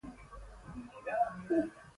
رسما همکاري او سروکار درلود.